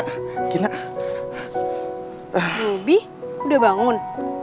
bobi udah bangun